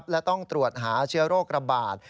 และต้องตรวจหาเชื้อโรคระบาด